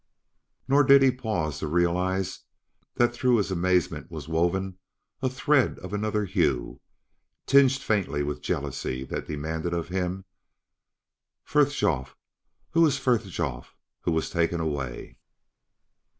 Nor did he pause to realize that through his amazement was woven a thread of another hue, tinged faintly with jealousy that demanded of him: "Frithjof! Who is Frithjof who was taken away?"